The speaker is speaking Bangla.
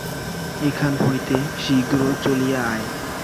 এখান হইতে শীঘ্র চলিয়া আয়।